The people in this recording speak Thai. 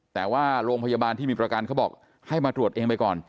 แต่ว่าโรงพยาบาลที่มีประกันเขาบอกให้มาตรวจเองไปก่อน